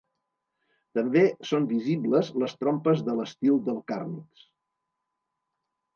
També són visibles les trompes de l'estil del càrnix.